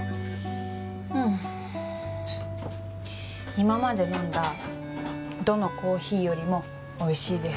今まで飲んだどのコーヒーよりもおいしいです